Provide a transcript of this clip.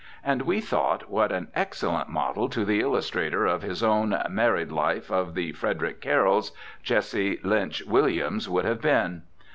And we thought what an excellent model to the illustrator of his own "Married Life of the Frederic Carrolls" Jesse Lynch Williams would have been.